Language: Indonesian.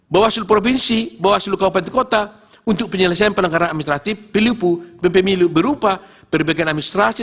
bawaslu provinsi bawaslu kewupaten dan kota untuk penyelesaian pelanggaran administratif pemilu berupa berbagai administrasi